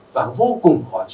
và vô cùng khó chịu